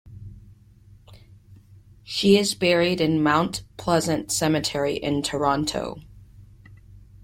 She is buried in Mount Pleasant Cemetery in Toronto.